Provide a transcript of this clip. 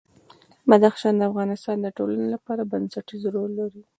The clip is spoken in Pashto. بدخشان د افغانستان د ټولنې لپاره بنسټيز رول لري.